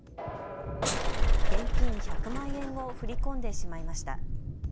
現金１００万円を振り込んでしまいました。